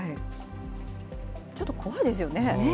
ちょっと怖いですよね。